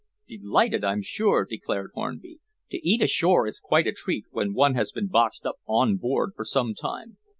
"Delighted, I'm sure," declared Hornby. "To eat ashore is quite a treat when one has been boxed up on board for some time.